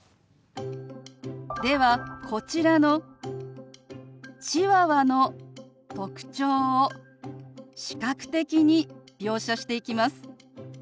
ではこちらのチワワの特徴を視覚的に描写していきます。